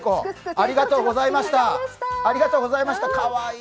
ありがとうございました、かわいい。